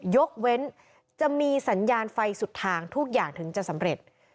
ยกเว้นจะมีสัญญาณไฟสุดทางทุกอย่างถึงจะสำเร็จ